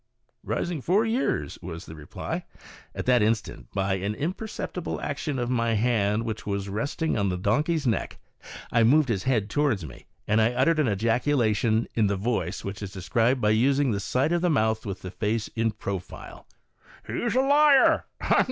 " Rising four years,'' was the reply. At that instant, by an imperceptible action of my hand, which was resting on the donkey's neck, I moved his head towards me, and I ut tered an ejaculation, in the voice which is described by using the side of the mouth with the face in profile, " He's a liar